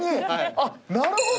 あっなるほど。